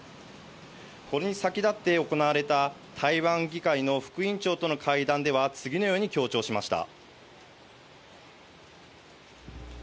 これに先立って行われた台湾議会の副委員長との会談では次のように強調しました。